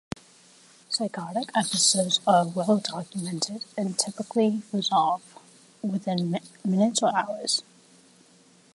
Psychotic episodes are well-documented and typically resolve within minutes or hours.